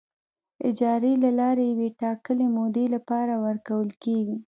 اجارې له لارې د یوې ټاکلې مودې لپاره ورکول کیږي.